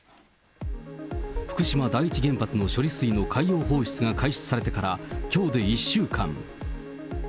福島第一原発の処理水の海洋放出が開始されてからきょうで１週間。